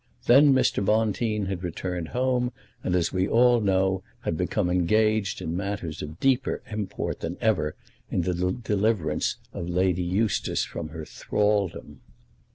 Then Mr. Bonteen had returned home, and, as we all know, had become engaged in matters of deeper import than even the deliverance of Lady Eustace from her thraldom.